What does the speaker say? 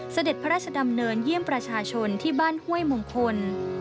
เสด็จพระราชดำเนินเยี่ยมประชาชนที่บ้านห้วยมงคล